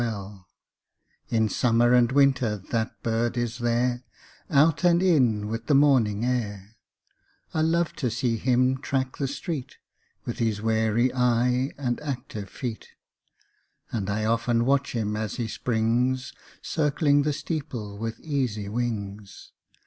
B I li (88) In summer and winter that bird is there, Out and in with the morning air : I love to see him track the street, Witli his wary eye and active feet ; And 1 often watch him as he springs. Circling the steeple with easy wings.